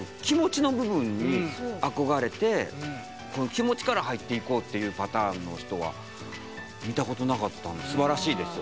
気持ちから入っていこうっていうパターンの人は見たことなかったんですばらしいですよね。